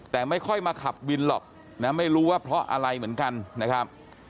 แต่ไม่ค่อยมาขับวินหรอกนะไม่รู้ว่าเพราะอะไรเหมือนกันนะครับ